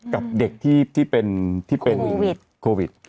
กับเด็กที่เป็นโควิด